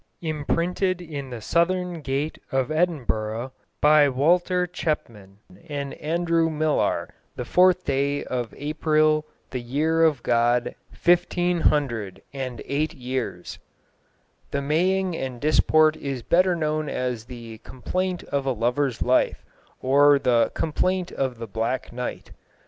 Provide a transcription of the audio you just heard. Imprentit in the southgait of Edinburgh be Walter chepman and Androw myllar the fourth day of aprile the yhere of God M.CCCCC. and viii yheris. The Maying and Disport is better known as the Complaynt of a Lover's Life, or the Complaynt of the Black Knight.